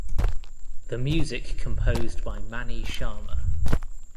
The music composed by Mani Sharma.